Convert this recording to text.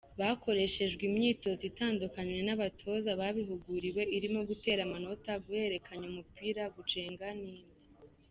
Bakoreshejwe imyitozo itandukanye n’abatoza babihuguriwe irimo gutera amanota, guhererekanya umupira, gucenga n’indi.